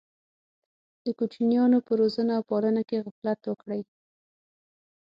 د کوچنیانو په روزنه او پالنه کې غفلت وکړي.